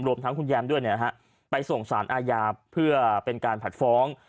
รวมทั้งคุณแยมด้วยไปส่งสารอาญาเพื่อเป็นการผัดฟ้อง